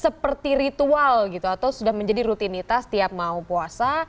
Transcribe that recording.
seperti ritual gitu atau sudah menjadi rutinitas tiap mau puasa